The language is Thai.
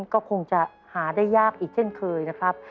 ก็คงจะหาได้ยากอีกเช่นเคยนะครับ